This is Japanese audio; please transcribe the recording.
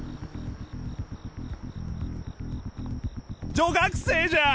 女学生じゃん！